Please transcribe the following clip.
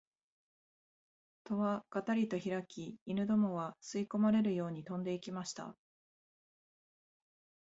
戸はがたりとひらき、犬どもは吸い込まれるように飛んで行きました